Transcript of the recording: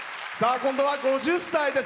今度は５０歳です。